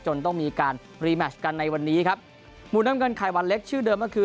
จนต้องมีการกันในวันนี้ครับมูลน้ำกันไข่วันเล็กชื่อเดิมก็คือ